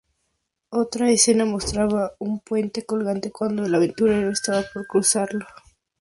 Otra escena mostraba un puente colgante cuando el aventurero estaba por cruzarlo.